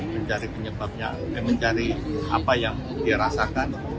mencari penyebabnya mencari apa yang dirasakan